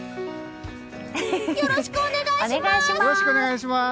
よろしくお願いします！